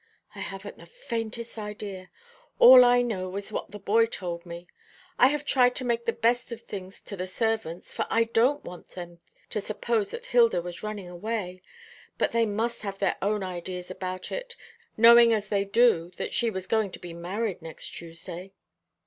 "I haven't the faintest idea. All I know is what the boy told me. I have tried to make the best of things to the servants, for I don't want them to suppose that Hilda was running away; but they must have their own ideas about it, knowing as they do that she was going to be married next Tuesday."